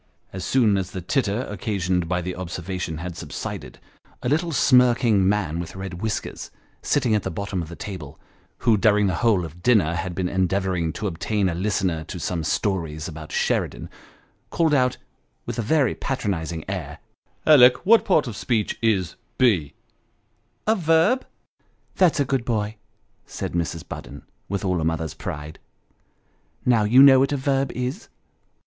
As soon as the titter occasioned by the observa tion, had subsided, a little smirking man with red whiskers, sitting at the bottom of the table, who during the whole of dinner had been endeavouring to obtain a listener to some stories about Sheridan, called out, with a very patronising air, " Alick, what part of speech is be." A verb." " That's a good boy," said Mrs. Budden, with all a mother's pride. " Now, you know what a verb is